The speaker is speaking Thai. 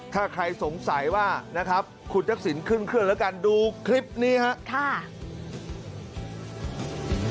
ถ้าใครสงสัยว่านะครับคุณทักษิณขึ้นเครื่องแล้วกันดูคลิปนี้ครับ